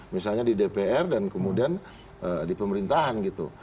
misalnya di dpr dan kemudian di pemerintahan gitu